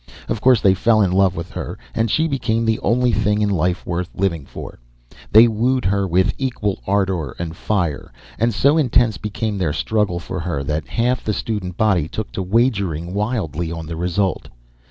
Of course, they fell in love with her, and she became the only thing in life worth living for. They wooed her with equal ardor and fire, and so intense became their struggle for her that half the student body took to wagering wildly on the result.